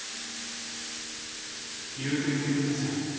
言うてみてください。